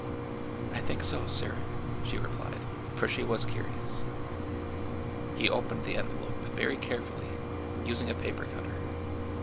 "I think so, sir," she replied, for she was curious. He opened the envelope very carefully, using a paper cutter.